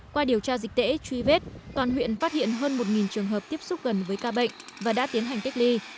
qua điều tra dịch tễ truy vết toàn huyện phát hiện hơn một trường hợp tiếp xúc gần với ca bệnh và đã tiến hành cách ly